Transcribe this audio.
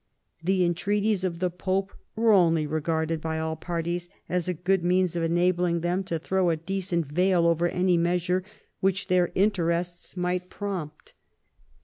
The entreaties of the Pope were only regarded by all parties as a good means of enabling them to throw a decent veil over any measure which their own interests might prompt.